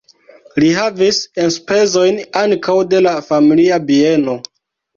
Li havis enspezojn ankaŭ de la familia bieno.